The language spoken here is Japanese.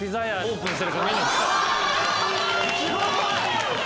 すごい！